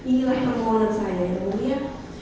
inilah persoalan saya yang mulia